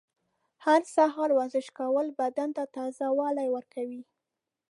هر سهار ورزش کول بدن ته تازه والی ورکوي.